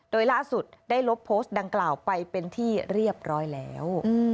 โดยล่าสุดได้ลบโพสต์ดังกล่าวไปเป็นที่เรียบร้อยแล้ว